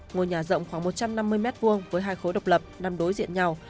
ngôi nhà rộng khoảng một trăm năm mươi m hai với hai khối độc lập nằm đối diện nhau